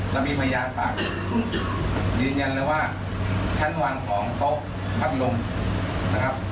เรามีพยานปากยืนยันเลยว่าชั้นวันของโต๊ะพัดลมนะครับ